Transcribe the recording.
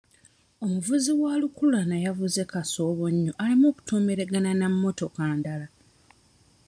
Omuvuzi wa lukululana yavuze kasoobo nnyo aleme kutomeragana na mmotoka ndala.